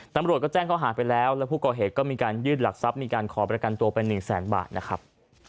ตำรวจก็แจ้งข้อหาไปแล้วแล้วผู้ก่อเหตุก็มีการยื่นหลักทรัพย์มีการขอประกันตัวไปหนึ่งแสนบาทนะครับ